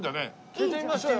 聞いてみましょうよ